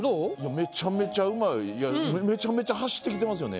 めちゃめちゃうまいですよね。